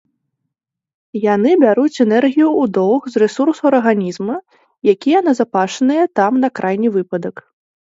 Яны бяруць энергію ў доўг з рэсурсаў арганізма, якія назапашаныя там на крайні выпадак.